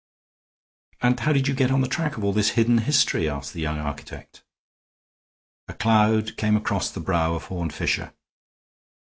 "And how did you get on the track of all this hidden history?" asked the young architect. A cloud came across the brow of Horne Fisher.